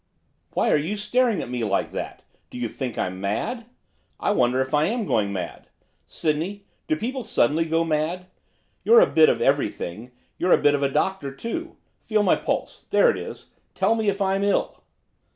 'Why are you staring at me like that? Do you think I'm mad? I wonder if I'm going mad. Sydney, do people suddenly go mad? You're a bit of everything, you're a bit of a doctor too, feel my pulse, there it is! tell me if I'm ill!